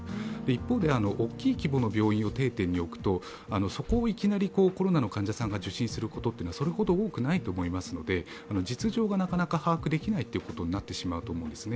一方で、大きい規模の病院を定点に置くと、そこをいきなりコロナの患者さんが受診することはそれほど多くないと思いますので実情がなかなか把握できないということになってしまうと思います。